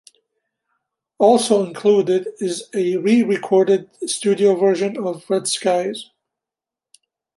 Also included is a re-recorded studio version of "Red Skies".